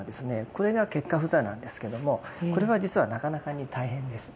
これが結跏趺坐なんですけどもこれは実はなかなかに大変です。